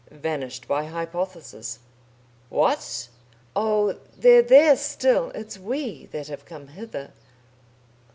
"Vanished by hypothesis." "What?" "Oh! They're there still. It's we that have come hither."